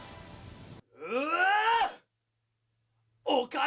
うわ！